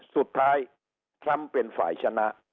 สุดท้ายทำเป็นฝ่ายชนะ